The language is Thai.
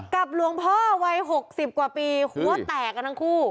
หลวงพ่อวัย๖๐กว่าปีหัวแตกกันทั้งคู่